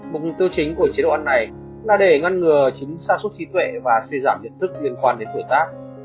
mục tiêu chính của chế độ ăn này là để ngăn ngừa chính xa suốt trí tuệ và suy giảm nhận thức liên quan đến tuổi tác